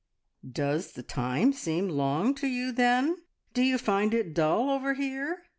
'" "Does the time seem long to you, then? Do you find it dull over here?"